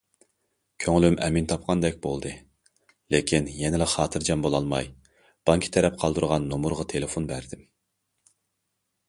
كۆڭلۈم ئەمىن تاپقاندەك بولدى، لېكىن يەنىلا خاتىرجەم بولالماي،‹‹ بانكا›› تەرەپ قالدۇرغان نومۇرغا تېلېفون بەردىم.